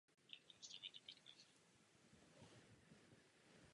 Pod vládou křižáků se Tartu v pozdním středověku stalo důležitým obchodním centrem.